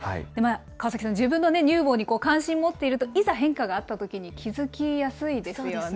川崎さん、自分の乳房に関心を持っていると、いざ変化があったときに気付きやすいですよね。